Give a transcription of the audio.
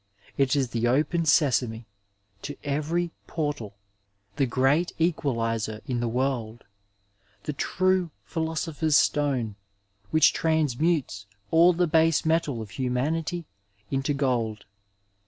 It is the open sesame to every portal, the great equalizer in the world, the true philo sopher's stone, which transmutes all the base metal of hu manity into gold.